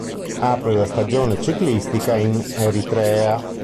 Apre la stagione ciclistica in Eritrea.